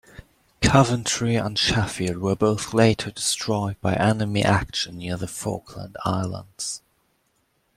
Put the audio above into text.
"Coventry" and "Sheffield" were both later destroyed by enemy action near the Falkland Islands.